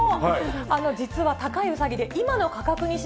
実は高いうさぎで、今の価格えっ？